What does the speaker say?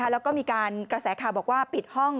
แล้วก็มีการกระแสข่าวบอกว่าปิดห้อง